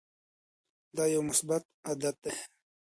دا یو مثبت عادت دی.